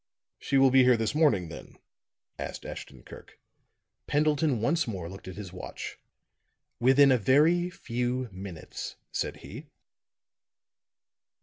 "She will be here this morning, then?" asked Ashton Kirk. Pendleton once more looked at his watch. "Within a very few minutes," said he.